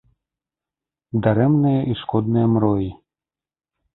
Дарэмныя і шкодныя мроі!